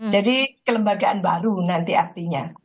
jadi kelembagaan baru nanti artinya